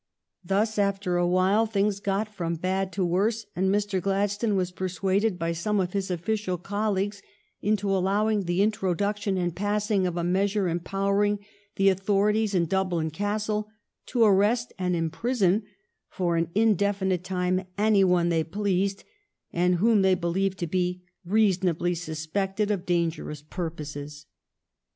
Thus after a while things got from bad to worse, and Mr. Gladstone was persuaded by some of his official colleagues into allowing the intro duction and passing of a measure empowering the authorities in Dublin Castle to arrest and imprison for an indefinite time any one they pleased and whom they believed to be " reason ably suspected " of dangerous purposes.